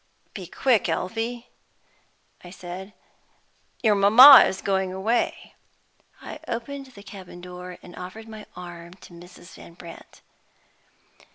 "Be quick, Elfie," I said; "your mamma is going away." I opened the cabin door, and offered my arm to Mrs. Van Brandt.